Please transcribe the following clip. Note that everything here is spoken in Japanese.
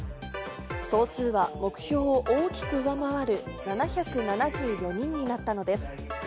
総数は目標を大きく上回る７７４人になったのです。